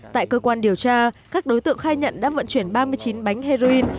tại cơ quan điều tra các đối tượng khai nhận đã vận chuyển ba mươi chín bánh heroin